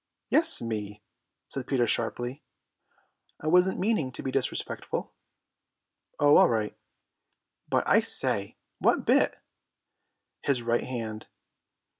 "Yes, me," said Peter sharply. "I wasn't meaning to be disrespectful." "Oh, all right." "But, I say, what bit?" "His right hand."